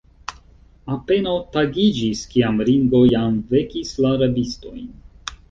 Apenaŭ tagiĝis, kiam Ringo jam vekis la rabistojn.